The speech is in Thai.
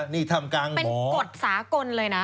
นี่ทำกลางเป็นกฎสากลเลยนะ